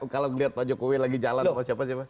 kalau melihat pak jokowi lagi jalan sama siapa siapa